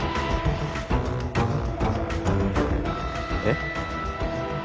えっ？